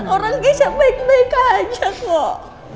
orang bisa baik baik aja kok